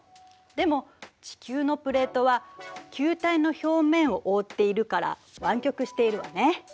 でも地球のプレートは球体の表面をおおっているから湾曲しているわね。